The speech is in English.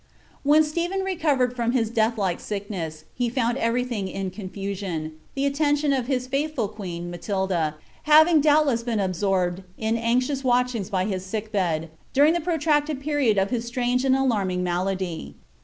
When Stephen recovered from his death like sickness, he found every thing in confusion, — the attention of his faithful queen, Matilda, having doubtless been absorbed in anxious watchings by his sick bed, during the protracted period of his strange and alarming malady.